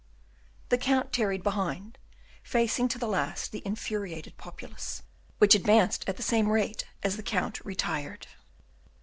The Count tarried behind, facing to the last the infuriated populace, which advanced at the same rate as the Count retired.